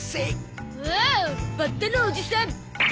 おおっバッタのおじさん！